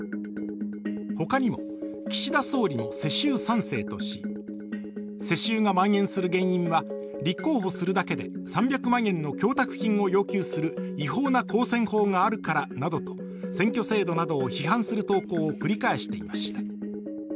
他にも、岸田総理の世襲３世とし世襲がまん延する原因は立候補するだけで３００万円の供託金を要求する違法な公選法があるからなどと選挙制度などを批判する投稿を繰り返していました。